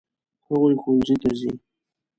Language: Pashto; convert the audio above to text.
هغوی ښوونځي ته ځي.